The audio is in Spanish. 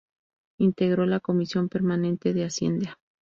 Integró la comisión permanente de Hacienda.